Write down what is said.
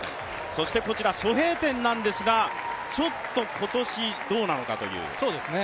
そしてソ・ヘイテンですが、ちょっと今年どうなのかという。